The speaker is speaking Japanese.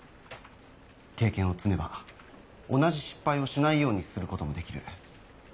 経験を積めば同じ失敗をしないようにすることもできる。